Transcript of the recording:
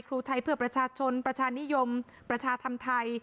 ครูไทยเพื่อประชาชนประชานิยมประชาธรรมไทย